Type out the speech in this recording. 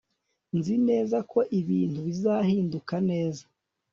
Nzi neza ko ibintu bizahinduka neza